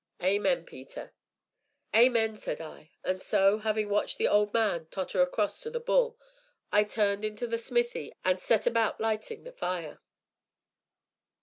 Amen, Peter!" "Amen!" said I. And so, having watched the old man totter across to "The Bull," I turned into the smithy and, set about lighting the fire.